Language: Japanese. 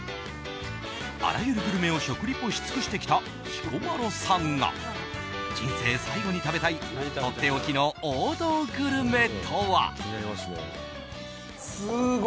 あらゆるグルメを食リポし尽してきた彦摩呂さんが人生最後に食べたいとっておきの王道グルメとは。